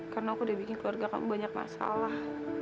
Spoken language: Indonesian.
karena aku udah bikin keluarga kamu banyak masalah